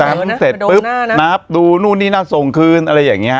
เสร็จปุ๊บนับดูนู่นนี่นั่นส่งคืนอะไรอย่างนี้